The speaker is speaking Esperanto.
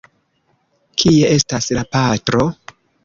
Kie estas la patro?